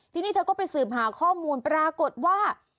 ทีนี้เธอก็ไปสืบหาข้อมูลปรากฏว่า